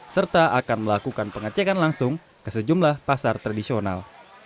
serta akan melakukan pengecekan langsung ke sejumlah pasar tradisional